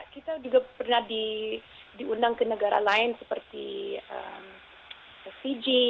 kita juga pernah diundang ke negara lain seperti fiji